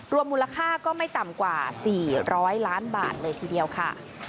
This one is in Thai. มูลค่าก็ไม่ต่ำกว่า๔๐๐ล้านบาทเลยทีเดียวค่ะ